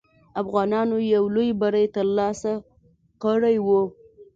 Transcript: افغانانو یو لوی بری ترلاسه کړی وو.